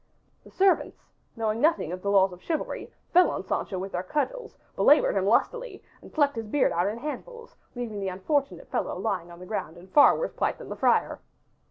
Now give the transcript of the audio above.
The servants, knowing nothing of the laws of chivalry, fell on Sancho with their cudgels, belabored him lustily and plucked his beard out in handfuls, leaving the unfortunate fellow lying on the ground in far worse plight than the friar.